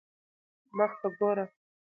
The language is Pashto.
مخ ته دي ګوره